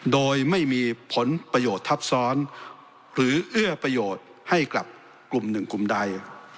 โดยไม่มีผลประโยชน์ทับซ้อนหรือเอื้อประโยชน์ให้กับกลุ่มหนึ่งกลุ่มใด